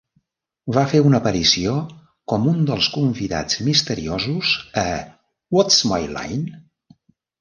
Va fer una aparició com un dels convidats misteriosos a "What's My Line?".